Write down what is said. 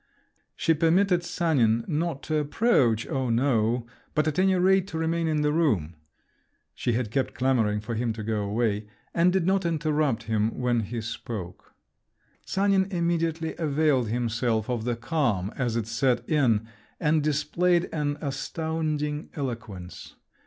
She permitted Sanin—not to approach … oh, no!—but, at any rate, to remain in the room—she had kept clamouring for him to go away—and did not interrupt him when he spoke. Sanin immediately availed himself of the calm as it set in, and displayed an astounding eloquence.